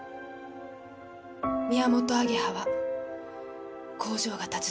ミヤモトアゲハは工場が建つ